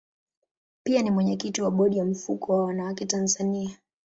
Pia ni mwenyekiti wa bodi ya mfuko wa wanawake Tanzania.